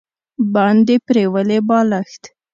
باندې پریولي بالښت